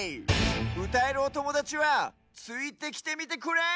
うたえるおともだちはついてきてみてくれ！